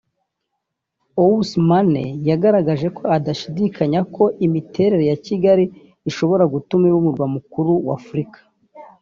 Ousmane yagaragaje ko adashidikanyaho ko imiterere ya Kigali ishobora gutuma iba umurwa mukuru wa Afurika